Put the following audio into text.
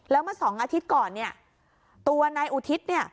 แล้วเมื่อสองอาทิตย์ก่อนเนี่ยตัวนายอุทิศเนี่ย